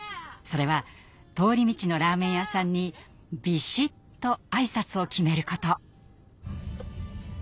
それは通り道のラーメン屋さんにビシッと挨拶を決めること。